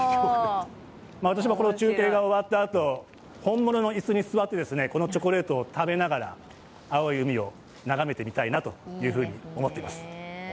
私もこの中継が終わったあと、本物の椅子に座ってこのチョコレートを食べながら青い海を眺めてみたいなと思っています。